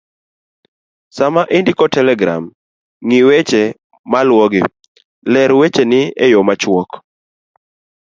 Sama indiko telegram, ng'i weche maluwogi:ler wecheni e yo machuok